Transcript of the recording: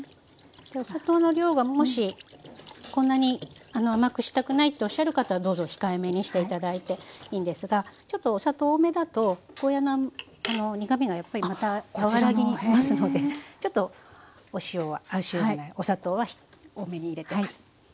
お砂糖の量がもしこんなに甘くしたくないとおっしゃる方はどうぞ控えめにしていただいていいんですがちょっとお砂糖多めだとゴーヤーの苦みがやっぱりまた和らぎますのでちょっとお塩はお塩じゃないお砂糖は多めに入れてます。